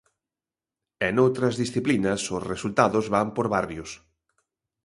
E noutras disciplinas, os resultados van por barrios.